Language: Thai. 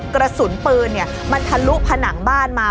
กระสุนปืนมันทะลุผนังบ้านมา